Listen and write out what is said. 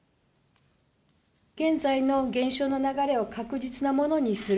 現在の減少の流れを確実なものにする。